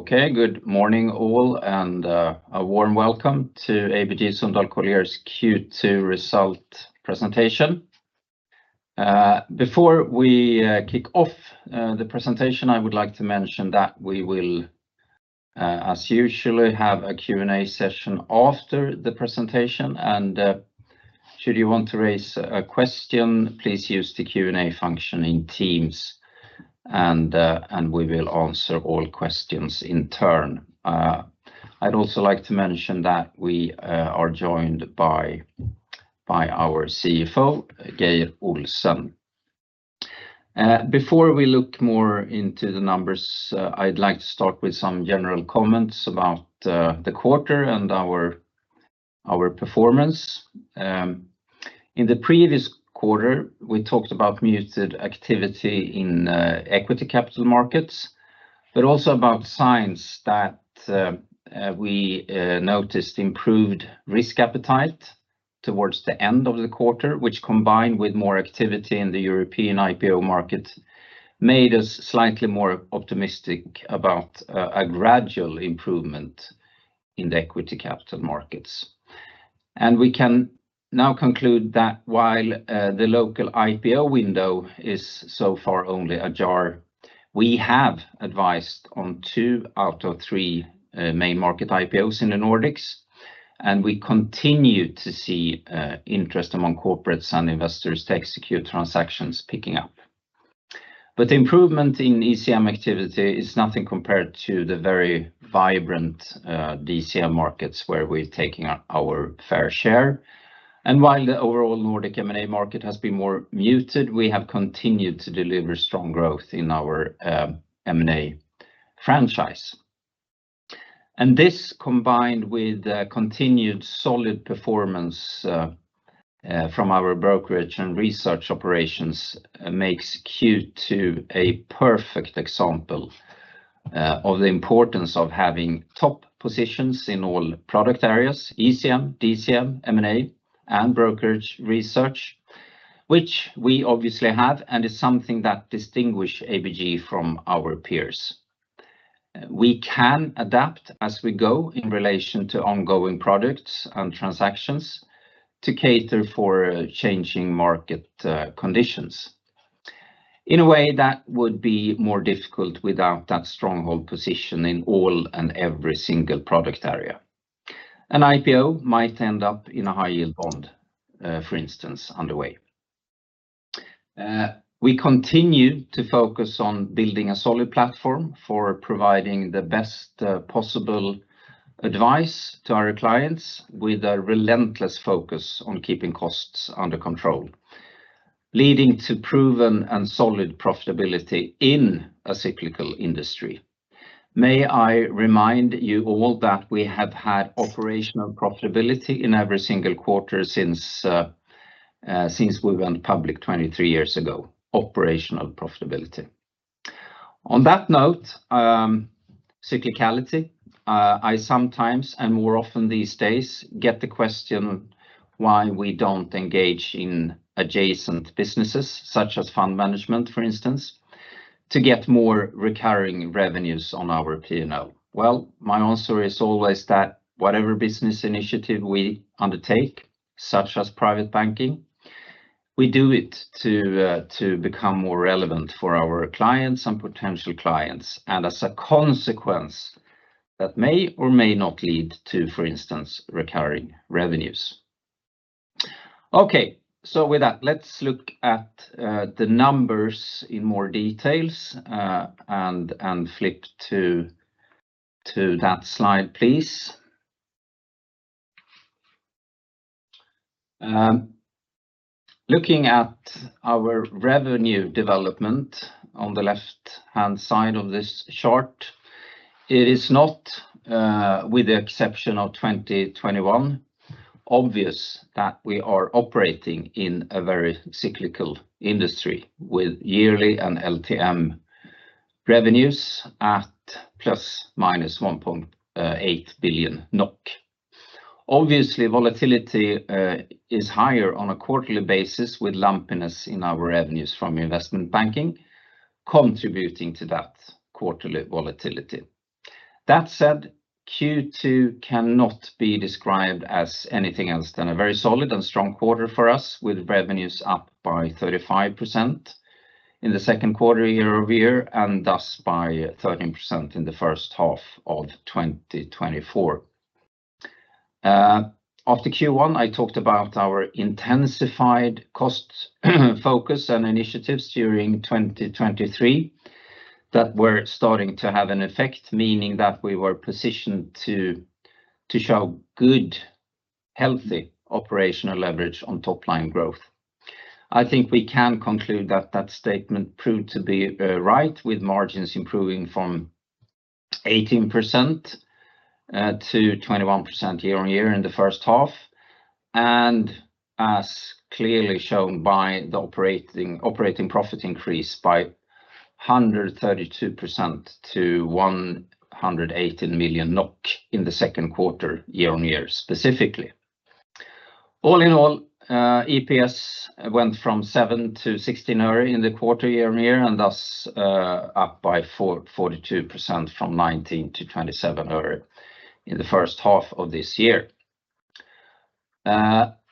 Okay, good morning, all, and a warm welcome to ABG Sundal Collier's Q2 result presentation. Before we kick off the presentation, I would like to mention that we will, as usual, have a Q&A session after the presentation. Should you want to raise a question, please use the Q&A function in Teams, and we will answer all questions in turn. I'd also like to mention that we are joined by our CFO, Geir Olsen. Before we look more into the numbers, I'd like to start with some general comments about the quarter and our performance. In the previous quarter, we talked about muted activity in equity capital markets, but also about signs that we noticed improved risk appetite towards the end of the quarter, which combined with more activity in the European IPO market, made us slightly more optimistic about a gradual improvement in the equity capital markets. And we can now conclude that while the local IPO window is so far only ajar, we have advised on two out of three main market IPOs in the Nordics, and we continue to see interest among corporates and investors to execute transactions picking up. But the improvement in ECM activity is nothing compared to the very vibrant DCM markets, where we're taking our fair share. While the overall Nordic M&A market has been more muted, we have continued to deliver strong growth in our M&A franchise. This, combined with a continued solid performance from our brokerage and research operations, makes Q2 a perfect example of the importance of having top positions in all product areas ECM, DCM, M&A, and brokerage research, which we obviously have, and is something that distinguish ABG from our peers. We can adapt as we go in relation to ongoing products and transactions to cater for changing market conditions. In a way that would be more difficult without that stronghold position in all and every single product area. An IPO might end up in a high-yield bond, for instance, on the way. We continue to focus on building a solid platform for providing the best possible advice to our clients with a relentless focus on keeping costs under control, leading to proven and solid profitability in a cyclical industry. May I remind you all that we have had operational profitability in every single quarter since we went public 23 years ago, operational profitability. On that note, cyclicality, I sometimes, and more often these days, get the question why we don't engage in adjacent businesses, such as fund management, for instance, to get more recurring revenues on our P&L. Well, my answer is always that whatever business initiative we undertake, such as private banking, we do it to become more relevant for our clients and potential clients, and as a consequence, that may or may not lead to, for instance, recurring revenues. Okay, so with that, let's look at the numbers in more details, and flip to that slide, please. Looking at our revenue development on the left-hand side of this chart, it is not, with the exception of 2021, obvious that we are operating in a very cyclical industry with yearly and LTM revenues at ±1.8 billion NOK. Obviously, volatility is higher on a quarterly basis, with lumpiness in our revenues from investment banking, contributing to that quarterly volatility. That said, Q2 cannot be described as anything else than a very solid and strong quarter for us, with revenues up by 35% in the second quarter year-over-year, and thus by 13% in the first half of 2024. After Q1, I talked about our intensified cost focus and initiatives during 2023 that were starting to have an effect, meaning that we were positioned to show good, healthy operational leverage on top line growth. I think we can conclude that that statement proved to be right, with margins improving from 18% to 21% year-on-year in the first half, and as clearly shown by the operating profit increase by 132% to 118 million NOK in the second quarter, year-on-year specifically. All in all, EPS went from 7 to 16 øre in the quarter year-on-year, and thus, up by 42% from 19 to 27 øre in the first half of this year.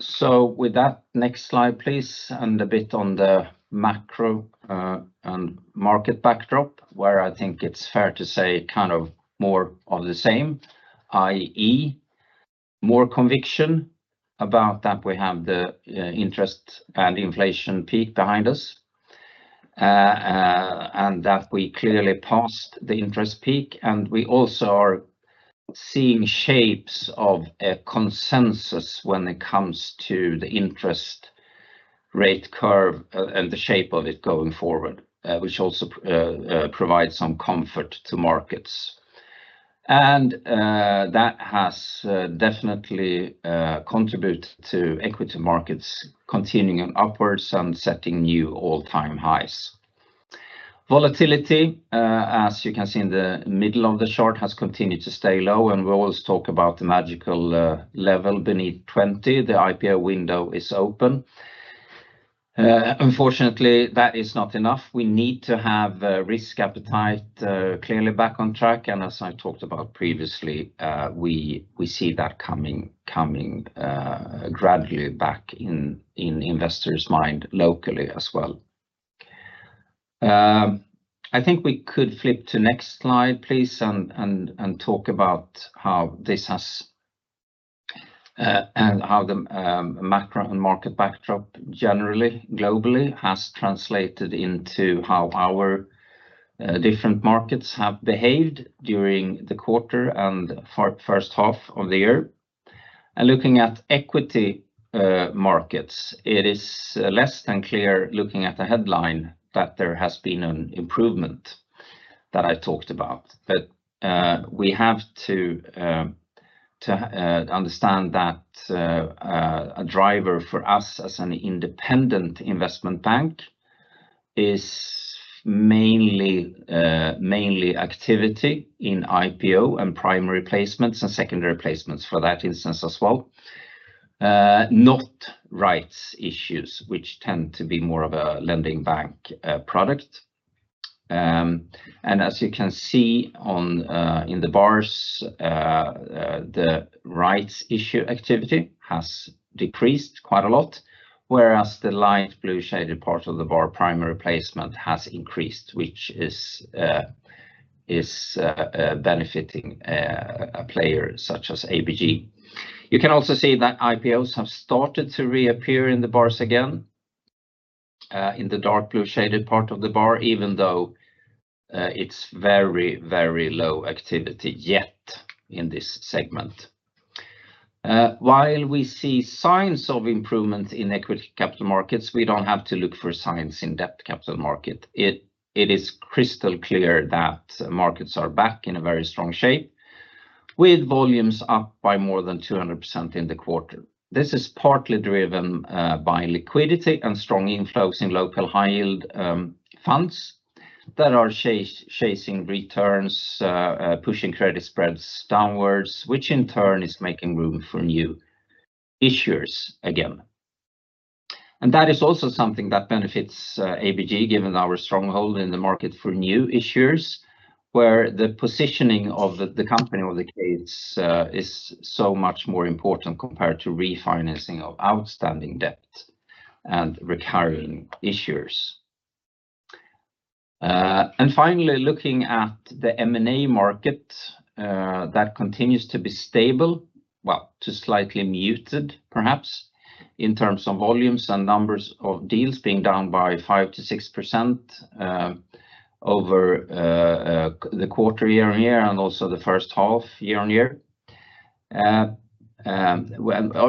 So with that, next slide, please, and a bit on the macro and market backdrop, where I think it's fair to say kind of more of the same, i.e., more conviction about that we have the interest and inflation peak behind us. And that we clearly passed the interest peak, and we also are seeing shapes of a consensus when it comes to the interest rate curve and the shape of it going forward, which also provides some comfort to markets. And that has definitely contributed to equity markets continuing upwards and setting new all-time highs. Volatility, as you can see in the middle of the chart, has continued to stay low, and we always talk about the magical level beneath 20, the IPO window is open. Unfortunately, that is not enough. We need to have risk appetite clearly back on track, and as I talked about previously, we see that coming gradually back in investors' mind locally as well. I think we could flip to next slide, please, and talk about how this has... And how the macro and market backdrop, generally, globally, has translated into how our different markets have behaved during the quarter and for first half of the year. And looking at equity markets, it is less than clear, looking at the headline, that there has been an improvement that I talked about. But we have to understand that a driver for us as an independent investment bank is mainly activity in IPO and primary placements and secondary placements for that instance as well. Not rights issues, which tend to be more of a lending bank product. As you can see in the bars, the rights issue activity has decreased quite a lot, whereas the light blue shaded part of the bar, primary placement, has increased, which is benefiting a player such as ABG. You can also see that IPOs have started to reappear in the bars again in the dark blue shaded part of the bar, even though it's very, very low activity yet in this segment. While we see signs of improvement in equity capital markets, we don't have to look for signs in debt capital markets. It is crystal clear that markets are back in a very strong shape, with volumes up by more than 200% in the quarter. This is partly driven by liquidity and strong inflows in local high-yield funds, that are chasing returns, pushing credit spreads downwards, which in turn is making room for new issuers again. And that is also something that benefits ABG, given our stronghold in the market for new issuers, where the positioning of the company or the case is so much more important compared to refinancing of outstanding debt and recurring issuers. And finally, looking at the M&A market, that continues to be stable, well, to slightly muted, perhaps, in terms of volumes and numbers of deals being down by 5%-6% over the quarter year-on-year and also the first half year-on-year. Well,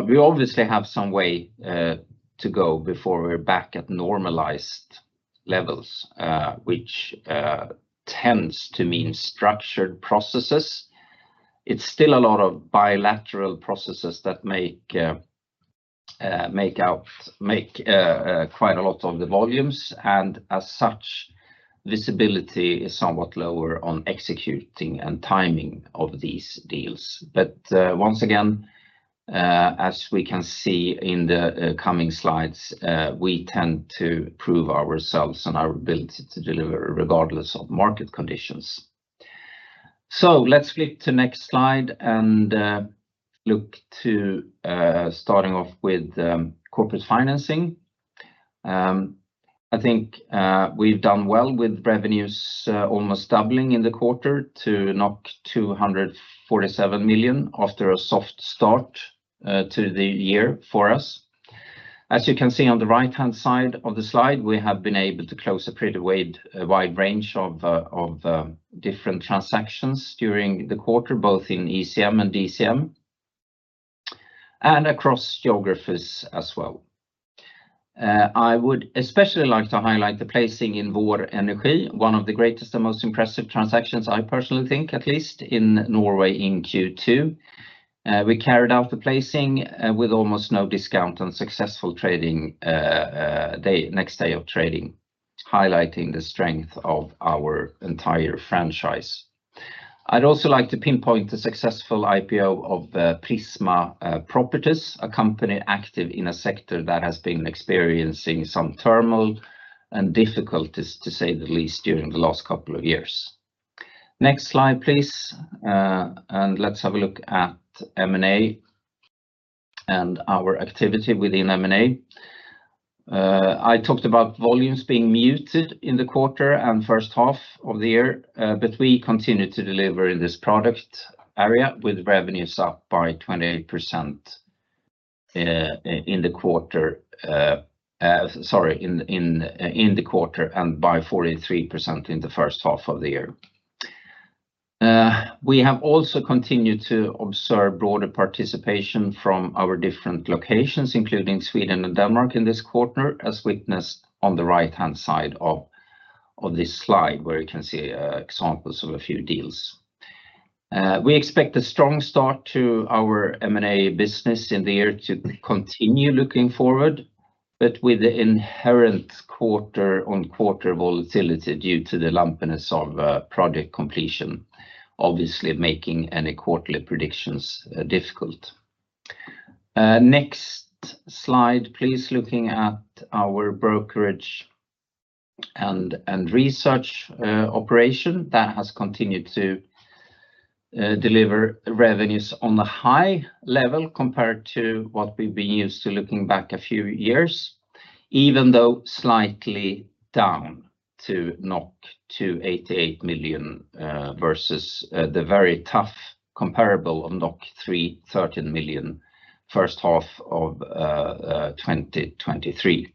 we obviously have some way to go before we're back at normalized levels, which tends to mean structured processes. It's still a lot of bilateral processes that make out quite a lot of the volumes, and as such, visibility is somewhat lower on executing and timing of these deals. But once again, as we can see in the coming slides, we tend to prove ourselves and our ability to deliver regardless of market conditions. So let's flip to next slide and look to starting off with corporate financing. I think we've done well with revenues almost doubling in the quarter to 247 million after a soft start to the year for us. As you can see on the right-hand side of the slide, we have been able to close a pretty wide range of different transactions during the quarter, both in ECM and DCM, and across geographies as well. I would especially like to highlight the placing in Vår Energi, one of the greatest and most impressive transactions, I personally think, at least in Norway in Q2. We carried out the placing with almost no discount on successful trading day, next day of trading, highlighting the strength of our entire franchise. I'd also like to pinpoint the successful IPO of Prisma Properties, a company active in a sector that has been experiencing some turmoil and difficulties, to say the least, during the last couple of years. Next slide, please. Let's have a look at M&A and our activity within M&A. I talked about volumes being muted in the quarter and first half of the year, but we continued to deliver in this product area, with revenues up by 28% in the quarter, sorry, in the quarter, and by 43% in the first half of the year. We have also continued to observe broader participation from our different locations, including Sweden and Denmark in this quarter, as witnessed on the right-hand side of this slide, where you can see examples of a few deals. We expect a strong start to our M&A business in the year to continue looking forward, but with the inherent quarter-on-quarter volatility due to the lumpiness of project completion, obviously making any quarterly predictions difficult. Next slide, please. Looking at our brokerage and research operation, that has continued to deliver revenues on a high level compared to what we've been used to looking back a few years, even though slightly down to 288 million versus the very tough comparable on 313 million first half of 2023.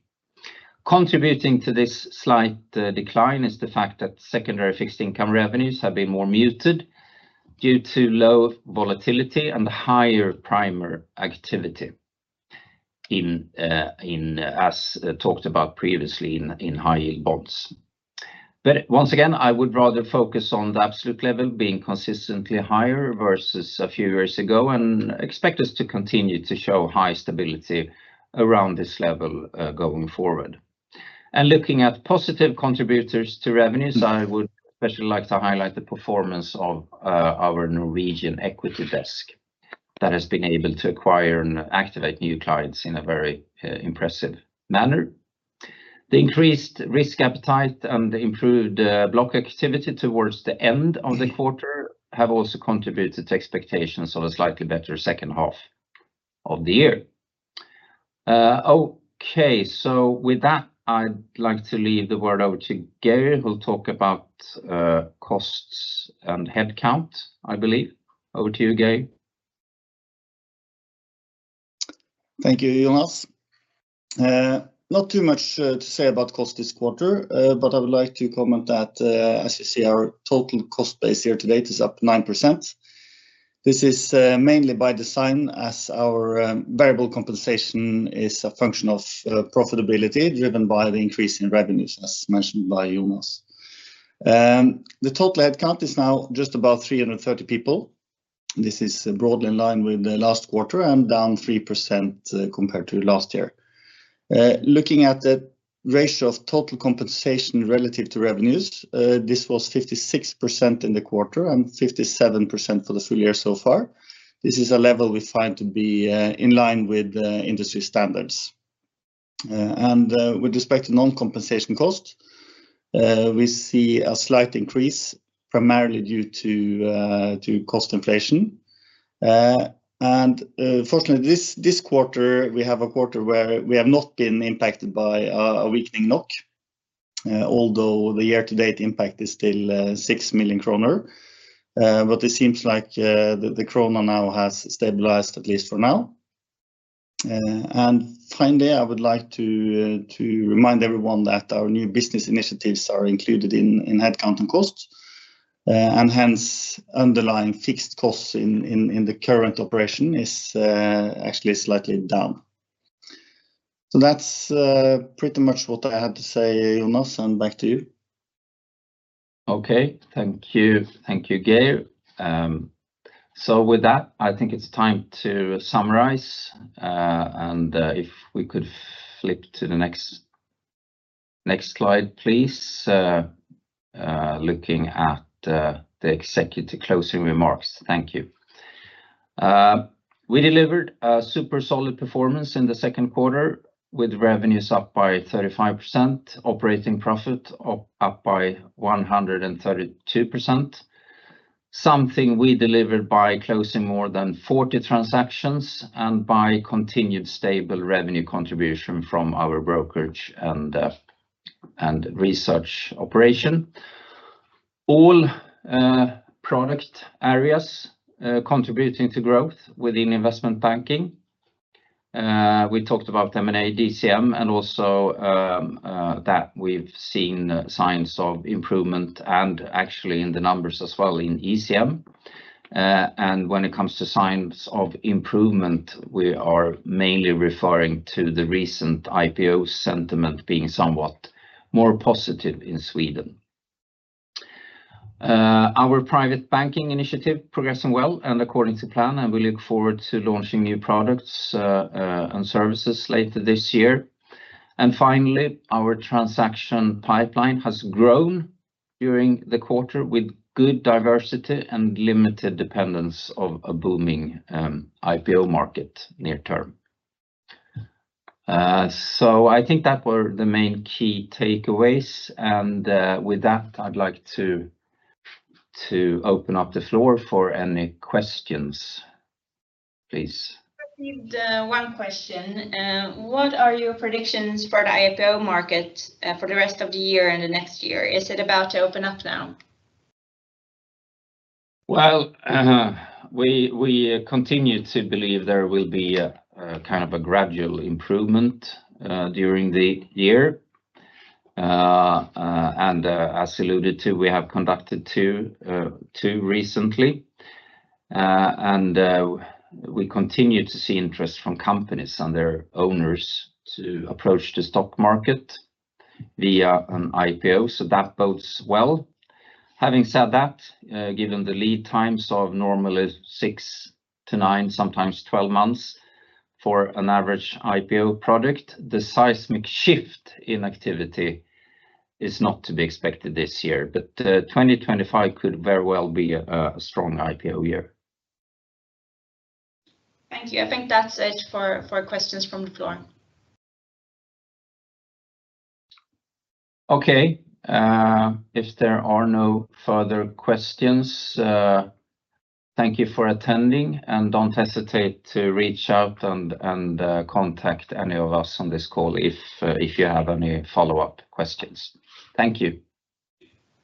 Contributing to this slight decline is the fact that secondary fixed income revenues have been more muted due to low volatility and higher primary activity in high-yield bonds, as talked about previously. But once again, I would rather focus on the absolute level being consistently higher versus a few years ago and expect us to continue to show high stability around this level going forward. Looking at positive contributors to revenues, I would especially like to highlight the performance of our Norwegian equity desk. That has been able to acquire and activate new clients in a very impressive manner. The increased risk appetite and the improved block activity towards the end of the quarter have also contributed to expectations of a slightly better second half of the year. Okay, so with that, I'd like to leave the word over to Geir, who'll talk about costs and headcount, I believe. Over to you, Geir. Thank you, Jonas. Not too much to say about cost this quarter, but I would like to comment that, as you see, our total cost base year to date is up 9%. This is mainly by design, as our variable compensation is a function of profitability, driven by the increase in revenues, as mentioned by Jonas. The total headcount is now just about 330 people. This is broadly in line with the last quarter and down 3% compared to last year. Looking at the ratio of total compensation relative to revenues, this was 56% in the quarter and 57% for the full year so far. This is a level we find to be in line with industry standards. With respect to non-compensation costs, we see a slight increase, primarily due to cost inflation. Fortunately, this quarter, we have not been impacted by a weakening NOK, although the year-to-date impact is still 6 million kroner. But it seems like the NOK now has stabilized, at least for now. And finally, I would like to remind everyone that our new business initiatives are included in headcount and costs, and hence, underlying fixed costs in the current operation is actually slightly down. So that's pretty much what I had to say, Jonas, and back to you. Okay. Thank you, Geir. So with that, I think it's time to summarize. And if we could flip to the next slide, please. Looking at the executive closing remarks. Thank you. We delivered a super solid performance in the second quarter, with revenues up by 35%, operating profit up by 132%. Something we delivered by closing more than 40 transactions and by continued stable revenue contribution from our brokerage and research operation. All product areas contributing to growth within investment banking. We talked about M&A, DCM, and also that we've seen signs of improvement and actually in the numbers as well in ECM. And when it comes to signs of improvement, we are mainly referring to the recent IPO sentiment being somewhat more positive in Sweden. Our private banking initiative progressing well and according to plan, and we look forward to launching new products, and services later this year. And finally, our transaction pipeline has grown during the quarter with good diversity and limited dependence of a booming IPO market near term. So I think that were the main key takeaways, and with that, I'd like to open up the floor for any questions. Please. Received, one question. What are your predictions for the IPO market, for the rest of the year and the next year? Is it about to open up now? Well, we continue to believe there will be a kind of a gradual improvement during the year. As alluded to, we have conducted two recently. We continue to see interest from companies and their owners to approach the stock market via an IPO, so that bodes well. Having said that, given the lead times of normally 6 to 9, sometimes 12 months, for an average IPO product, the seismic shift in activity is not to be expected this year, but 2025 could very well be a strong IPO year. Thank you. I think that's it for questions from the floor. Okay. If there are no further questions, thank you for attending, and don't hesitate to reach out and contact any of us on this call if you have any follow-up questions. Thank you.